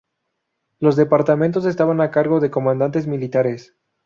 Los departamentos estaban a cargo de comandantes militares.